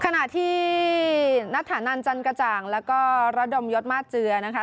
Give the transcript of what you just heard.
ขณะที่นัทธานันจันกระจ่างแล้วก็ระดมยศมาสเจือนะคะ